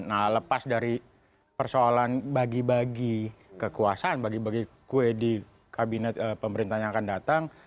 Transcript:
nah lepas dari persoalan bagi bagi kekuasaan bagi bagi kue di kabinet pemerintahan yang akan datang